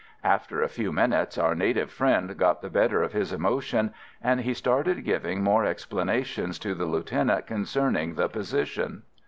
After a few minutes our native friend got the better of his emotion, and he started giving more explanations to the lieutenant concerning the position.